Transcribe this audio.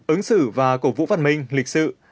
ứng xử và cổ vũ văn minh lịch sự